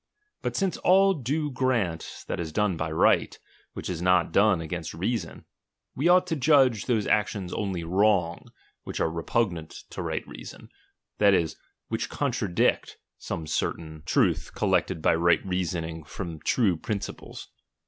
But since all do grant, that is done by right, which is not done against reason, we ought to judge those actions only wrongs which are repugnant to fight reason, that is, which contradict some certain CHAP. II. r ID truth collected by right reasoning from true | (uples.